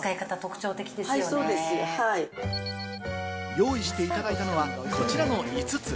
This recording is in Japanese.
用意していただいたのは、こちらの５つ。